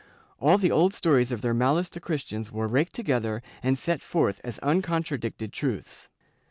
All the old stories of their malice to Christians were raked together and set forth as uncontradicted truths.